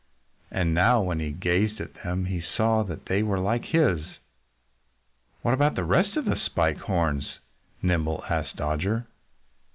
And now when he gazed at them he saw that they were like his. "What about the rest of the Spike Horns?" Nimble asked Dodger.